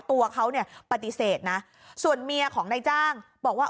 ตัวเขาปฏิเสธนะส่วนเมียของในจ้างบอกว่า